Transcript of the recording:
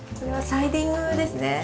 サイディングで。